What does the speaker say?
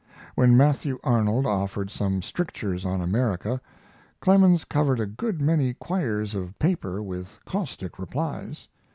When Matthew Arnold offered some strictures on America. Clemens covered a good many quires of paper with caustic replies.